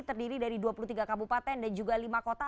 terdiri dari dua puluh tiga kabupaten dan juga lima kota